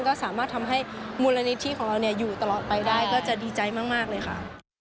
ก็สามารถทำให้มูลนิธิของเราอยู่ตลอดไปได้ก็จะดีใจมากเลยค่ะ